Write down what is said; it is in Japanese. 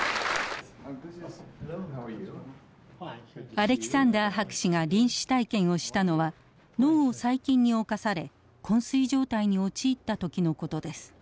アレキサンダー博士が臨死体験をしたのは脳を細菌に侵され昏睡状態に陥った時の事です。